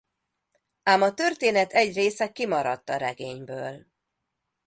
Ám a történet egy része kimaradt a regényből...